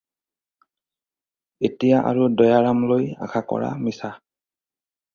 এতিয়া আৰু দয়াৰামলৈ আশা কৰা মিছা।